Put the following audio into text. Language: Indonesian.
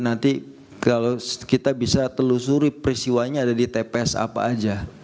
nanti kalau kita bisa telusuri peristiwanya ada di tps apa aja